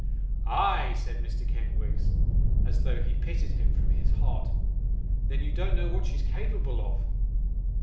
'Ay!' said Mr. Kenwigs, as though he pitied him from his heart, 'then you don't know what she's capable of.